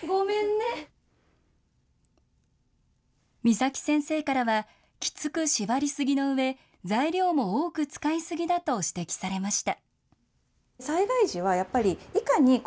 岬先生からは、きつく縛り過ぎの上、材料も多く使い過ぎだと指摘されました。